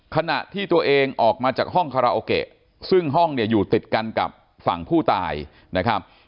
ขณะที่ตัวเองออกมาจากห้องคาราโอเกะซึ่งห้องเนี่ยอยู่ติดกันกับฝั่งผู้ตายนะครับ